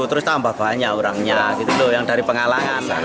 terus tambah banyak orangnya gitu loh yang dari pengalangan